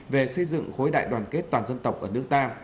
về xây dựng khối đại đoàn kết toàn dân tộc ở nước ta